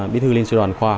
bí thư lên sư đoàn khoa